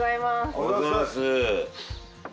おはようございます。